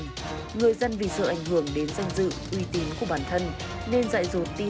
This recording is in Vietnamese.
người dân vì sợ ảnh hưởng đến danh dự uy tín của bản thân nên dạy dồn tin